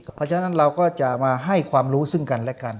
เพราะฉะนั้นเราก็จะมาให้ความรู้ซึ่งกันและกัน